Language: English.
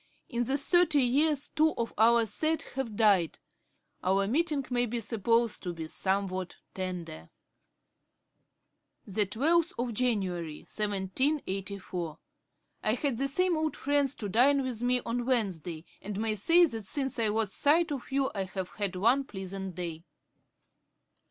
In the thirty years two of our set have died; our meeting may be supposed to be somewhat tender.' Piozzi Letters, ii. 339. 'Jan. 12, 1784. I had the same old friends to dine with me on Wednesday, and may say that since I lost sight of you I have had one pleasant day.'